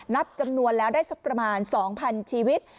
นับจำนวนแล้วได้สักประมาณ๒๐๐๐ชีวิต